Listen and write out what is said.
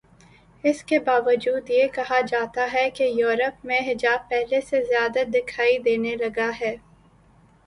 اس کے باوجود یہ کہا جاتاہے کہ یورپ میں حجاب پہلے سے زیادہ دکھائی دینے لگا ہے۔